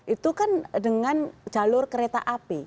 itu kan dengan jalur kereta api